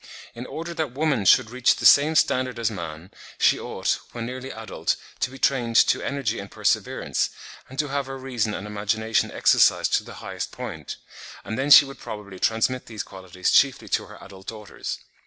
In order that woman should reach the same standard as man, she ought, when nearly adult, to be trained to energy and perseverance, and to have her reason and imagination exercised to the highest point; and then she would probably transmit these qualities chiefly to her adult daughters.